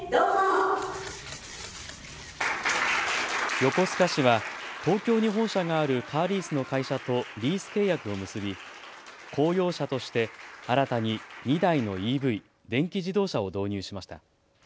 横須賀市は東京に本社があるカーリースの会社とリース契約を結び、公用車として新たに２台のＥＶ・電気自動車を導入しました。